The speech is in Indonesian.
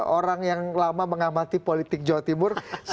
orang yang lama mengamati politik jawa timur